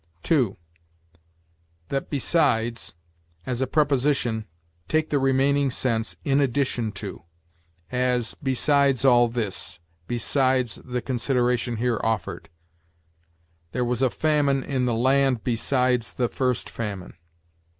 2. That besides, as a preposition, take the remaining sense, in addition to; as, besides all this; besides the consideration here offered: 'There was a famine in the land besides the first famine.'